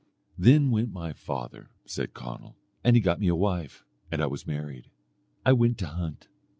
"Then went my father," said Conall, "and he got me a wife, and I was married. I went to hunt.